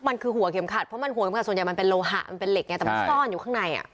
มันคือหัวเข็มขัดเพราะมันหัวเข็มขัดส่วนใหญ่มันเป็นโลหะมันเป็นเหล็กไงแต่มันซ่อนอยู่ข้างใน